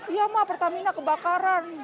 iya ma pertamina kebakaran